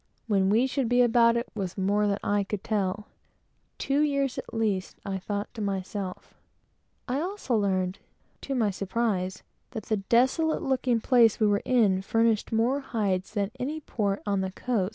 When we should be about it, was more than I could tell; two years, at least, I thought to myself. I also learned, to my surprise, that the desolate looking place we were in was the best place on the whole coast for hides.